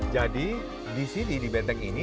jadi di sini di benteng ini